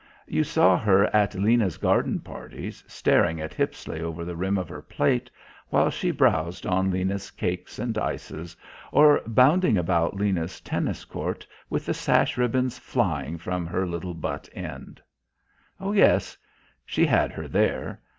You saw her at Lena's garden parties, staring at Hippisley over the rim of her plate while she browsed on Lena's cakes and ices, or bounding about Lena's tennis court with the sash ribbons flying from her little butt end. Oh, yes; she had her there.